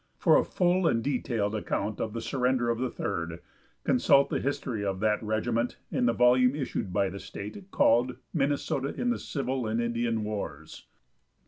For a full and detailed account of the surrender of the Third, consult the history of that regiment in the volume issued by the state, called "Minnesota in the Civil and Indian Wars."